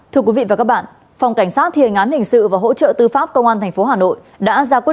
thưa quý vị và các bạn phòng cảnh sát thiền án hình sự và hỗ trợ tư pháp công an tp hà nội đã ra quyết định truy nã